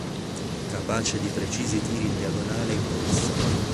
Capace di precisi tiri in diagonale in corsa.